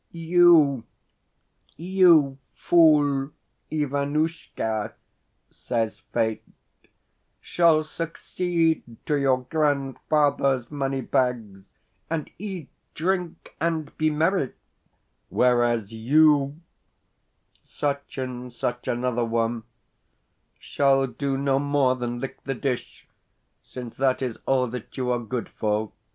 "You, you fool Ivanushka," says Fate, "shall succeed to your grandfather's money bags, and eat, drink, and be merry; whereas YOU (such and such another one) shall do no more than lick the dish, since that is all that you are good for."